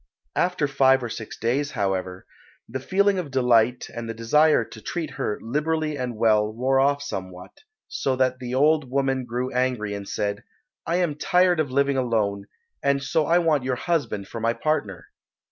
After five or six days, however, the feeling of delight and the desire to treat her liberally and well wore off somewhat, so that the old woman grew angry and said, "I am tired of living alone, and so I want your husband for my partner."